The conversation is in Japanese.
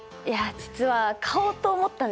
実は買おうと思ったんですけど。